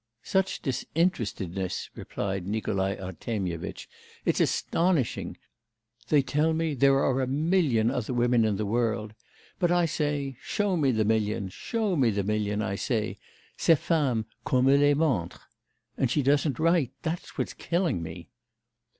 'Such disinterestedness,' repeated Nikolai Artemyevitch; 'it's astonishing. They tell me there are a million other women in the world, but I say, show me the million; show me the million, I say; ces femmes, qu'on me les montre! And she doesn't write that's what's killing me!